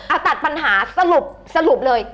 ตัดปัญหาสรุปสรุปเลย